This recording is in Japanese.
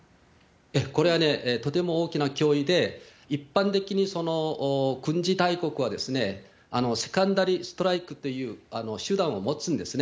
これはとても大きな脅威で、一般的に軍事大国はセカンダリーストライクという手段を持つんですね。